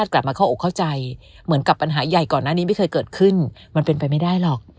ขึ้นมันเป็นไปไม่ได้หรอก